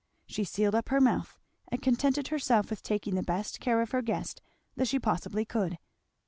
She sealed up her mouth, and contented herself with taking the best care of her guest that she possibly could.